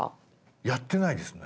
やってないですね。